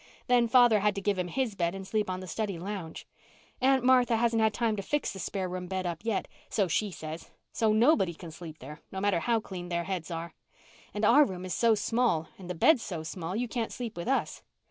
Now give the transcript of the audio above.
Then father had to give him his bed and sleep on the study lounge. Aunt Martha hasn't had time to fix the spare room bed up yet, so she says; so nobody can sleep there, no matter how clean their heads are. And our room is so small, and the bed so small you can't sleep with us."